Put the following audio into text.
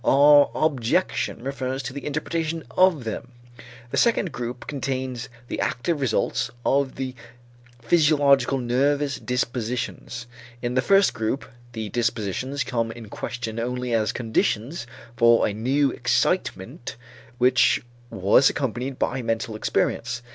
Our objection refers to the interpretation of them. This second group contains the active results of such physiological nervous dispositions. In the first group, the dispositions come in question only as conditions for a new excitement which was accompanied by mental experience.